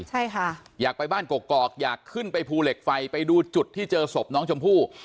ใช่ค่ะอยากไปบ้านกอกอยากขึ้นไปภูเหล็กไฟไปดูจุดที่เจอศพน้องชมพู่